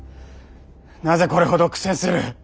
なぜこれほど苦戦する？